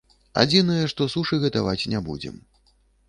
Адзінае, што сушы гатаваць не будзем.